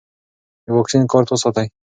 د واکسین کارت وساتئ.